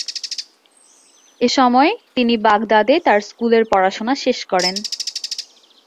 এসময় তিনি বাগদাদে তার স্কুলের পড়াশোনা শেষ করেন।